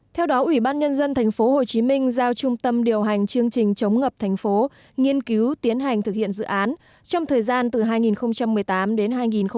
theo đó ủy ban nhân dân tp hcm giao trung tâm điều hành chương trình chống ngập thành phố nghiên cứu tiến hành thực hiện dự án trong thời gian từ hai nghìn một mươi tám đến hai nghìn một mươi chín